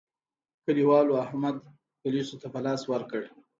کلیوالو احمد پوليسو ته په لاس ورکړ.